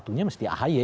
satunya mesti ahaye